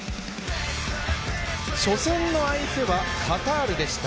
初戦の相手はカタールでした。